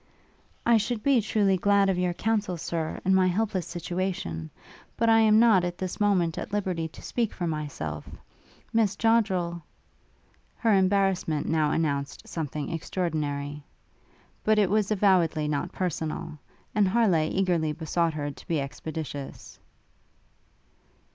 'I should be truly glad of your counsel, Sir, in my helpless situation: but I am not at this moment at liberty to speak for myself; Miss Joddrel ' Her embarrassment now announced something extraordinary; but it was avowedly not personal; and Harleigh eagerly besought her to be expeditious.